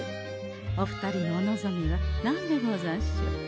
お二人のお望みは何でござんしょう？